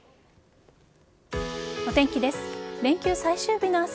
お天気です。